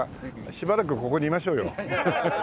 しばらくここにいましょうよ。